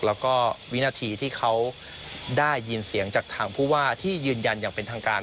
แล้วก็วินาทีที่เขาได้ยินเสียงจากทางผู้ว่าที่ยืนยันอย่างเป็นทางการ